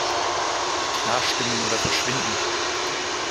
Mit Ja stimmen oder verschwinden!